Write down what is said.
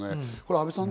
阿部さん